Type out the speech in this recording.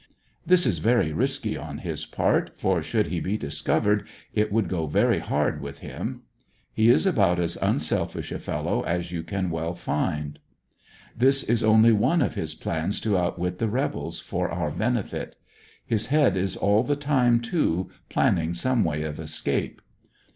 This is very risky on his part, for should he be discovered it would go very hard with him. He is about as unselfish a fellow as you can well find. This is only one of his plans to outwit the rebels for our benefit. His head is all the time, too, planning some way of escape.